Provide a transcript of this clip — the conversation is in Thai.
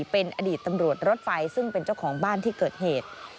เป็นอดีตตำรวจรถไฟซึ่งเป็นเจ้าของบ้านที่เกิดเหตุ